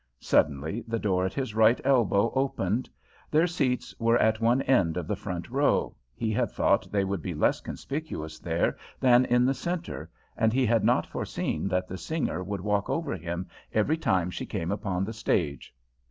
Suddenly the door at his right elbow opened. Their seats were at one end of the front row; he had thought they would be less conspicuous there than in the centre, and he had not foreseen that the singer would walk over him every time she came upon the stage.